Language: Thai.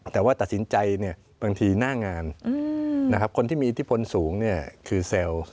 แต่ว่าตัดสินใจบางทีหน้างานคนที่มีอิทธิพลสูงคือเซลล์